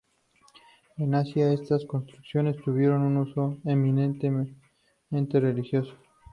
En asia estas construcciones tuvieron un uso eminentemente religioso.